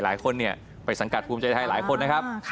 หลายคนไปสังกัดภูมิใจไทยหลายคนนะครับ